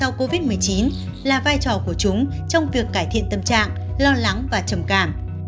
mỗi người bị hoặc phục hồi sau covid một mươi chín là vai trò của chúng trong việc cải thiện tâm trạng lo lắng và trầm cảm